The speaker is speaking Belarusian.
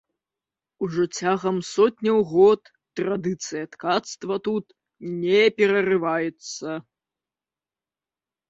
Ужо цягам сотняў год традыцыя ткацтва тут не перарываецца.